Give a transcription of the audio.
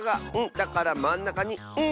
だからまんなかに「ん」。